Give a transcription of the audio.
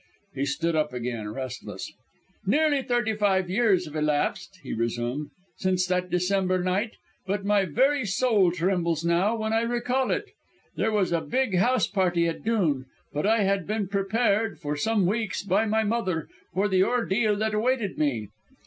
He stood up again, restlessly. "Nearly thirty five years have elapsed," he resumed, "since that December night; but my very soul trembles now, when I recall it! There was a big house party at Dhoon, but I had been prepared, for some weeks, by my father, for the ordeal that awaited me.